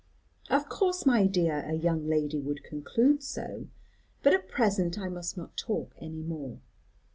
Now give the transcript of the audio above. "Of course, my dear, a young lady would conclude so. But at present I must not talk any more."